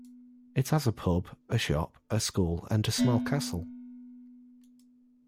It has a pub, a shop, a school and a small castle.